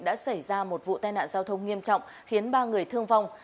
đã xảy ra một vụ tai nạn giao thông nghiêm trọng khiến ba người thương vong